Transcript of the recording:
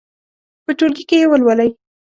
په ټولګي کې یې ولولئ.